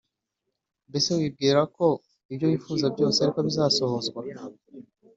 mbese wibwirako ibyo wifuza byose ariko bizasohozwa